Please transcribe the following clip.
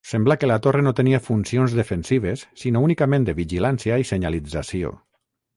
Sembla que la torre no tenia funcions defensives sinó únicament de vigilància i senyalització.